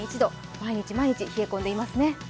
毎日毎日、冷え込んでいますね。